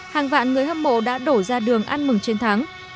hàng vạn người hâm mộ đã đổ ra đường ăn mừng chiến thắng